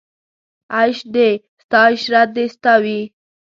عیش دې ستا عشرت دې ستا وي